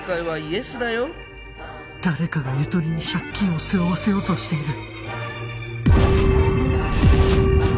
誰かがゆとりに借金を背負わせようとしている